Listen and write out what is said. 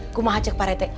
aku mau cek pak rete